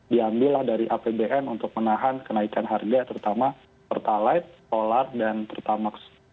diambillah dari apbn untuk menahan kenaikan harga terutama pertalite solar dan pertamax